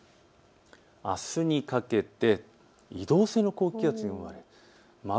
あすにかけて移動性の高気圧に覆われます。